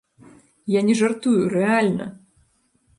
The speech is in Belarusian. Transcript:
Я не жартую, рэальна.